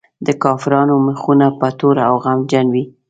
د کافرانو مخونه به تور او غمجن وي.